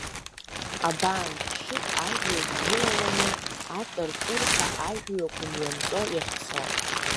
Абан хьшьык ажәҩан илаланы, атыртырҳәа ажәҩақәа мҩанҵо иахьцо.